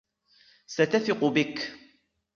ستثق بك.